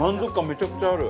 めちゃくちゃある。